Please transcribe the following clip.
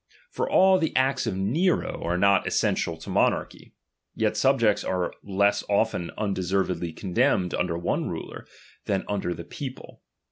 For all the acts of Nero are not essential to monarchy ; Dominion. yet subjects are less often undeservedly condemned c J nnder one ruler, than under the people.